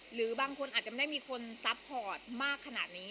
หรือบางคนอาจจะไม่ได้มีคนซัพพอร์ตมากขนาดนี้